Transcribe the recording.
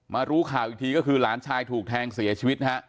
รู้ข่าวอีกทีก็คือหลานชายถูกแทงเสียชีวิตนะฮะ